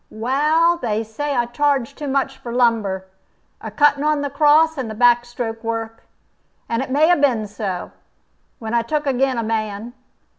"Well, they say that I charged too much for lumber, a cuttin' on the cross, and the backstroke work. And it may 'a been so, when I took agin a man.